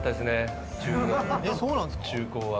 えっそうなんですか？